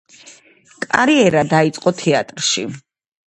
კარიერა დაიწყო თეატრში.